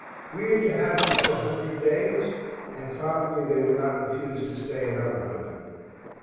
We are to have them for a hundred days and probably they will not refuse to stay another hundred.